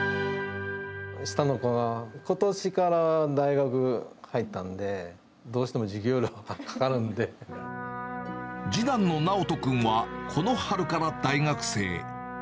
下の子がことしから大学入ったんで、どうしても授業料がかか次男のなおと君は、この春から大学生。